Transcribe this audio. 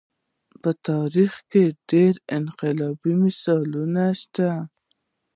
په تاریخ کې د ډېرو انقلابونو مثالونه شته.